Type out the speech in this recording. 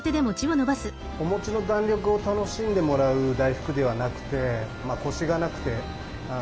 お餅の弾力を楽しんでもらう大福ではなくて。